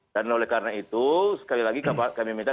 dan oleh karena itu sekali lagi kami minta